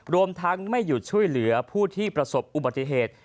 รวมทั้งไม่หยุดช่วยเหลือผู้ที่ประสบอุบัติเหตุ